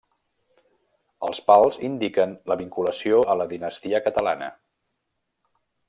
Els pals indiquen la vinculació a la dinastia catalana.